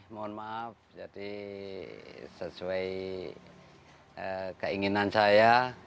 mohon maaf jadi sesuai keinginan saya